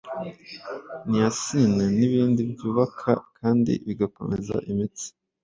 Niacin n’ibindi byubaka kandi bigakomeza imitsi